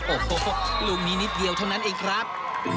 โอ้โหลูกนี้นิดเดียวเท่านั้นเองครับ